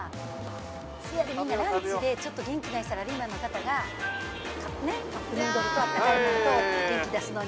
そやでランチでちょっと元気ないサラリーマンの方がカップヌードルとあったかいものと元気だすのに。